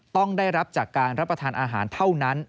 ต้องได้รับจากการรับประทานอาหารเท่านั้น